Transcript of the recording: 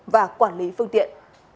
và quản lý phương tiện